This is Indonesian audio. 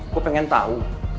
gue pengen tau